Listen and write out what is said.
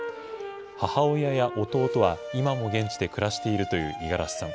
母親や弟は今も現地で暮らしているという五十嵐さん。